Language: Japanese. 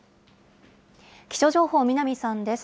気象情報、南さんです。